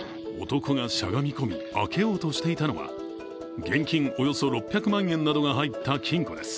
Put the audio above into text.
男がしゃがみ込み、開けようとしていたのは現金およそ６００万円などが入った金庫です。